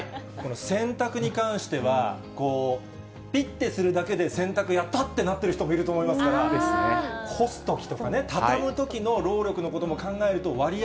洗濯に関しては、ぴってするだけで、洗濯やったってなってる人もいると思いますから、干すときとかね、畳むときの労力のことも考えると、割合